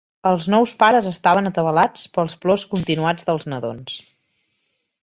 Els nous pares estaven atabalats pels plors continuats dels nadons.